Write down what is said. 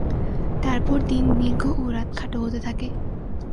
তারপর দিন দীর্ঘ ও রাত খাটো হতে থাকে।